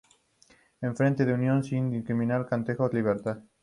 En fraterna unión, sin discriminar, ¡Cantemos Libertad!